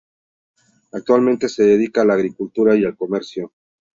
Actualmente se dedica a la agricultura y al comercio.